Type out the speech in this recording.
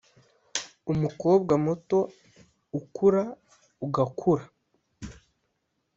umukobwa muto ukura ugakura.